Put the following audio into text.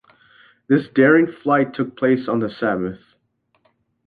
This daring flight took place on the Sabbath.